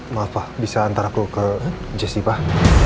maaf pak bisa antar aku ke jaycee pak